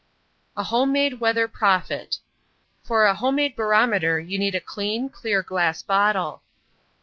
A Home made Weather Prophet For a home made barometer you need a clean, clear glass bottle.